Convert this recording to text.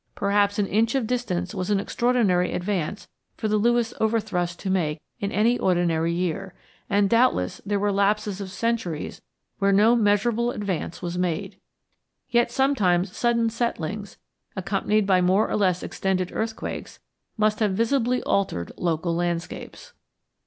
Perhaps an inch of distance was an extraordinary advance for the Lewis Overthrust to make in any ordinary year, and doubtless there were lapses of centuries when no measurable advance was made. Yet sometimes sudden settlings, accompanied by more or less extended earthquakes, must have visibly altered local landscapes.